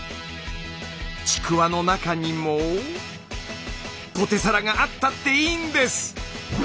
ちくわの中にもポテサラがあったっていいんです！